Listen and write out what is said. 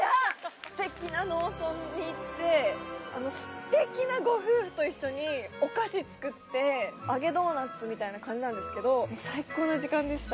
すてきな農村に行って、すてきなご夫婦と一緒にお菓子作って、揚げドーナツみたいな感じなんですけど、最高な時間でした。